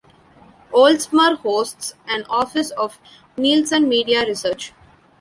Oldsmar hosts an office of Nielsen Media Research.